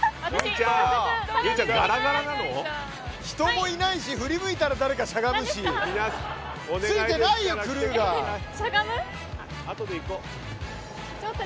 人もいないし振り向いたら誰かしゃがむし。